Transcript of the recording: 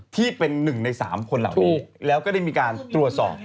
ที่เป็น๑ใน๓คนเหล่านี้แล้วก็ได้มีการตรวจสอบ